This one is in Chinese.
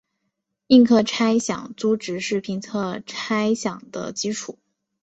应课差饷租值是评估差饷的基础。